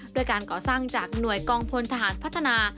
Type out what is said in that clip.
ด้วยการก่อสร้างจากหน่วยกองพลทหารพัฒนา